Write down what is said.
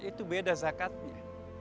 itu beda zakatnya